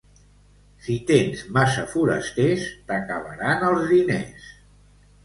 Si tens massa forasters, t'acabaran els diners.